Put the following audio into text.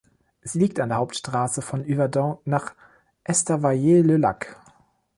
Sie liegt an der Hauptstrasse von Yverdon nach Estavayer-le-Lac.